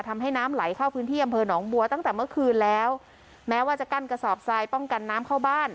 ทำให้น้ำไหลเข้าพื้นที่อำเภอหนองบัวตั้งแต่เมื่อคืนแล้วแม้ว่าจะกั้นกระสอบทรายป้องกันน้ำเข้าบ้าน